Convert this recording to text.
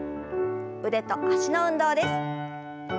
腕と脚の運動です。